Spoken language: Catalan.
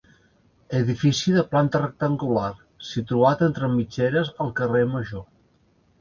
Edifici de planta rectangular, situat entre mitgeres al carrer Major.